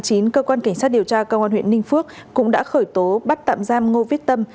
cơ quan cảnh sát điều tra công an huyện ninh phước cũng đã khởi tố bắt tạm giam ngô viết tâm